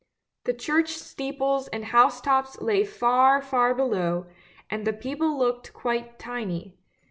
The church steeples and housetops lay far, far below, and the people looked quite tiny.